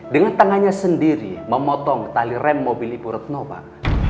dengan tangannya sendiri memotong tali rem mobil ibu retno pak